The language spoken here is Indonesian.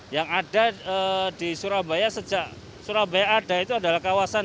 yang ada di surabaya sejak surabaya ada itu adalah kawasan